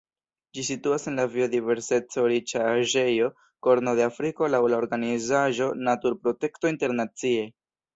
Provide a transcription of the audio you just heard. Ĝi situas en la biodiverseco-riĉaĵejo Korno de Afriko laŭ la organizaĵo Naturprotekto Internacie.